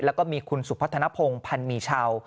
แล้วก็มีคุณสุพัฒนภงพันธ์มีชาว